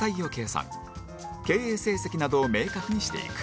経営成績などを明確にしていく